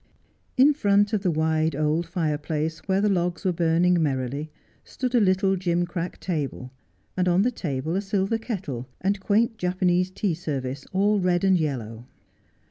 In front of the wide old fireplace, where the logs were burning merrily, stood a little gimcrack table, and on the table a silver kettle, and quaint Japanese tea service, all red and yellow.